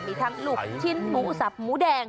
มีทั้งลูกชิ้นหมูสับหมูแดง